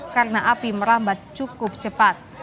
karena api merambat cukup cepat